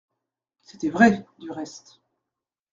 C'était vrai, du reste.